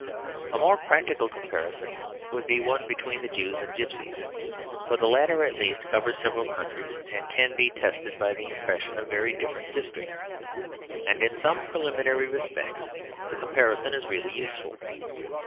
A more practical comparison would be one between the Jews and gipsies; for the latter at least cover several countries, and can be tested by the impressions of very different districts. And in some preliminary respects the comparison is really useful.